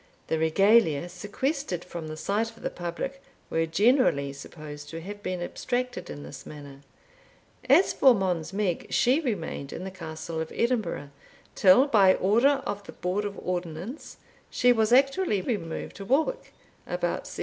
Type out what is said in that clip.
The Regalia, sequestered from the sight of the public, were generally supposed to have been abstracted in this manner. As for Mons Meg, she remained in the Castle of Edinburgh, till, by order of the Board of Ordnance, she was actually removed to Woolwich about 1757.